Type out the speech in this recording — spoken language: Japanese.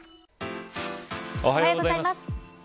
おはようございます。